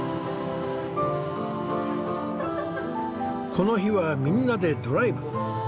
この日はみんなでドライブ。